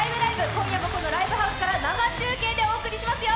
今夜もこのライブハウスから生中継でお送りしますよ。